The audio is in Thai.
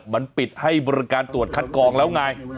มันปิดให้บริการตรวจคัดกองแล้วไง